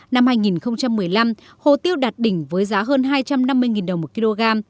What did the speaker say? năm hai nghìn một mươi năm hồ tiêu đạt đỉnh với giá hơn hai trăm năm mươi đồng một kg